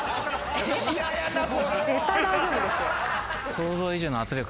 絶対大丈夫ですよ。